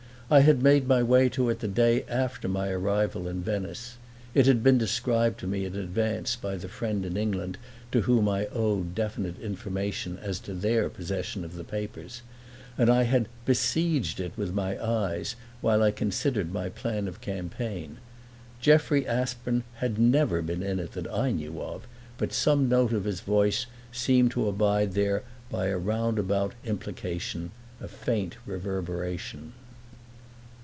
I had made my way to it the day after my arrival in Venice (it had been described to me in advance by the friend in England to whom I owed definite information as to their possession of the papers), and I had besieged it with my eyes while I considered my plan of campaign. Jeffrey Aspern had never been in it that I knew of; but some note of his voice seemed to abide there by a roundabout implication, a faint reverberation.